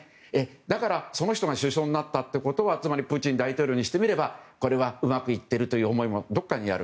だから、その人が首相になったってことはつまりプーチン大統領にしてみればこれはうまくいっているという思いも、どこかにある。